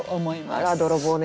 あら泥棒猫。